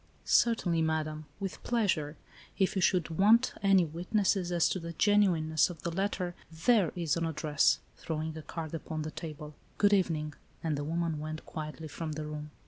" Certainly, madam, with pleasure. If you should want any witnesses as to the genuineness of the letter, there is an address," throwing a card upon the table. " Good evening," and the woman went quietly from the room.